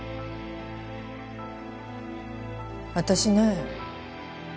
私ね。